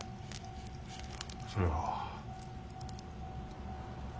そそれは。